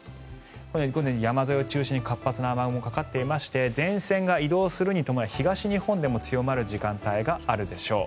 このように山沿いを中心に活発な雨雲がかかっていまして前線が移動するに伴い東日本でも強まる時間帯があるでしょう。